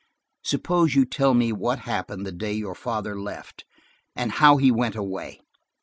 "Suppose you tell me what happened the day your father left, and how he went away.